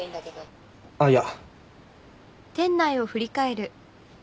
あっいや。